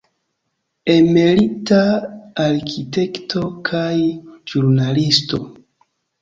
Emerita arkitekto kaj ĵurnalisto.